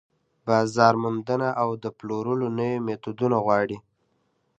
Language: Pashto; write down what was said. بازار موندنه او د پلورلو نوي ميتودونه غواړي.